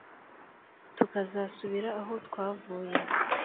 Tukazasubira aho twavuye.